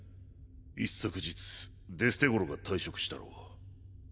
一昨日デステゴロが退職したろう。